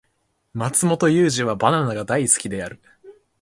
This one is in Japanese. マツモトユウジはバナナが大好きである